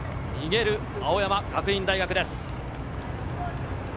逃げる青山学院大学です。